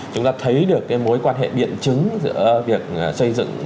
chúng ta thấy được cái mối quan hệ biện chứng giữa việc xây dựng